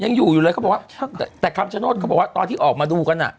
ยังอยู่อยู่เลยเขาบอกว่าแต่คำชโนธเขาบอกว่าตอนที่ออกมาดูกันอ่ะ